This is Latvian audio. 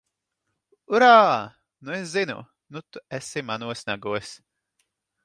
Urā! Nu es zinu! Nu tu esi manos nagos!